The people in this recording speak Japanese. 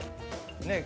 ねえ。